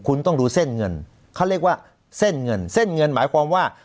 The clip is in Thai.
คุณต้องดูเส้นเงินเขาเรียกว่าเส้นเงินเส้นเงินหมายความว่า